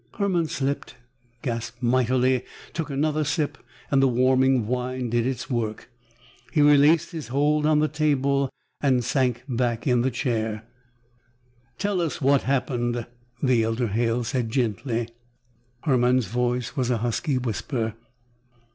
Hermann sipped, gasped mightily, took another sip, and the warming wine did its work. He relaxed his hold on the table and sank back in the chair. "Tell us what happened," the elder Halle said gently. Hermann's voice was a husky whisper.